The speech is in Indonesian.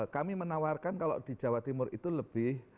kami menawarkan kalau di jawa timur itu lebih